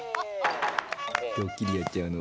ドッキリやっちゃうの。